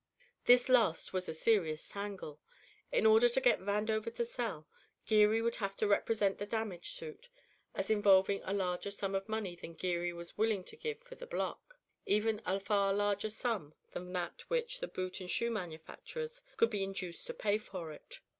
This last was a serious tangle. In order to get Vandover to sell, Geary would have to represent the damage suit as involving a larger sum of money than Geary was willing to give for the block, even a far larger sum than that which the boot and shoe manufacturers could be induced to pay for it.